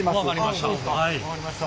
分かりました。